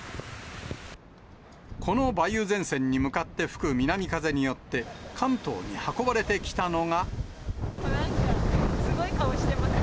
この梅雨前線に向かって吹く南風によって、関東に運ばれてきたのなんかすごい顔してますよね。